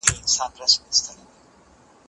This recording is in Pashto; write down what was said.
زه اوس نان خورم؟!